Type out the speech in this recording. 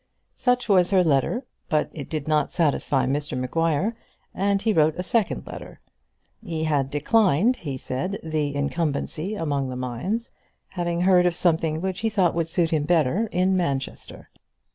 Such was her letter; but it did not satisfy Mr Maguire, and he wrote a second letter. He had declined, he said, the incumbency among the mines, having heard of something which he thought would suit him better in Manchester.